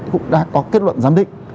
cũng đã có kết luận giám định